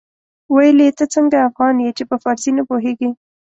ويل يې ته څنګه افغان يې چې په فارسي نه پوهېږې.